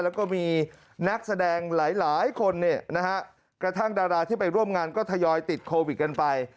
แล้วก็มีนักแสดงหลายคนกระทั่งดาราที่ไปร่วมงานก็ทยอยติดโควิดกันไป